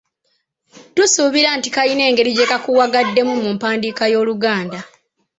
Tusuubira nti kalina engeri gye kakuwagaddemu mu mpandiika y’Oluganda.